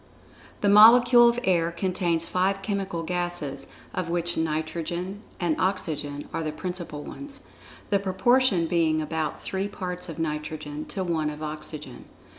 The molecule of air contains five chemical gases, of which nitrogen and oxygen are the principal ones, the proportion being about three parts of nitrogen to one of oxygen.